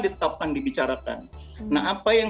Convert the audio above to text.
ditetapkan dibicarakan nah apa yang